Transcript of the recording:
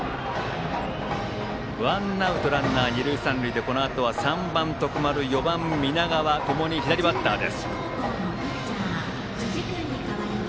ワンアウトランナー、二塁三塁でこのあと３番の徳丸と４番の南川共に左バッターです。